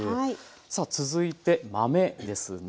さあ続いて豆ですね。